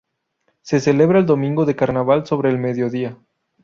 Se celebra el domingo de carnaval sobre el mediodía.